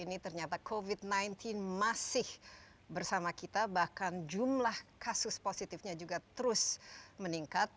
dua ribu dua puluh satu ini ternyata covid sembilan belas masih bersama kita bahkan jumlah kasus positifnya juga terus meningkat